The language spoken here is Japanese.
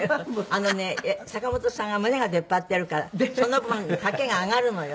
あのね坂本さんが胸が出っ張っているからその分丈が上がるのよ。